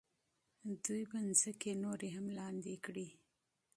دوی به ځمکې نورې هم لاندې کړي.